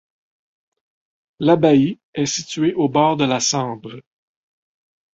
L'abbaye est située au bord de la Sambre.